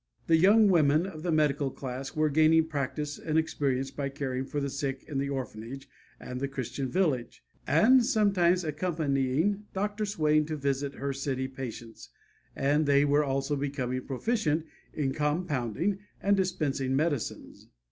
The young women of the medical class were gaining practice and experience by caring for the sick in the orphanage and the Christian village, and sometimes accompanying Dr. Swain to visit her city patients, and they were also becoming proficient in compounding and dispensing medicines.